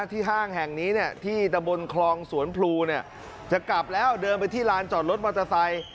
ห้างแห่งนี้ที่ตะบนคลองสวนพลูจะกลับแล้วเดินไปที่ลานจอดรถมอเตอร์ไซค์